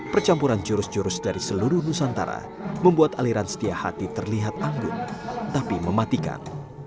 percampuran jurus jurus dari seluruh nusantara membuat aliran setia hati terlihat anggun tapi mematikan